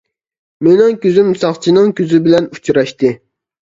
مېنىڭ كۆزۈم ساقچىنىڭ كۆزى بىلەن ئۇچراشتى.